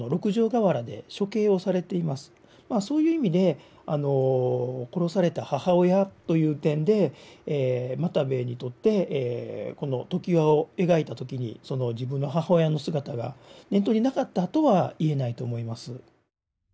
そういう意味で殺された母親という点で又兵衛にとってこの常盤を描いた時に自分の母親の姿が念頭になかったとは言えないと思います。